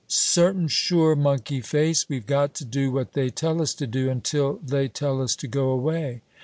"Certain sure, monkey face. We've got to do what they tell us to do, until they tell us to go away."